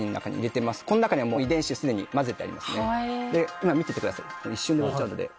今見ててください一瞬で終わっちゃうので。